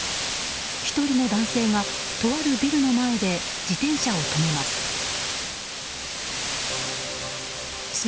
１人の男性が、とあるビルの前で自転車を止めます。